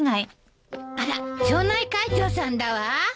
あら町内会長さんだわ。